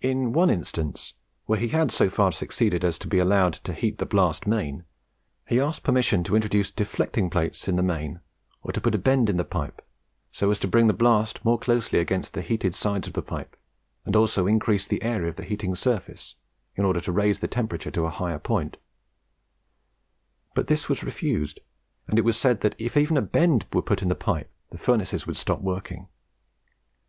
In one instance, where he had so far succeeded as to be allowed to heat the blast main, he asked permission to introduce deflecting plates in the main or to put a bend in the pipe, so as to bring the blast more closely against the heated sides of the pipe, and also increase the area of heating surface, in order to raise the temperature to a higher point; but this was refused, and it was said that if even a bend were put in the pipe the furnace would stop working.